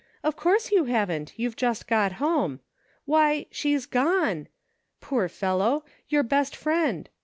Of course you haven't ; you've just got home. Why, she's gone ! Poor fellow ! Your best friend.